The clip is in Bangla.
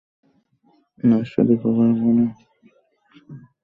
নার্সদের ব্যবহার করে, আবু উসমান একটি বড় আক্রমণের পরিকল্পনা করছে।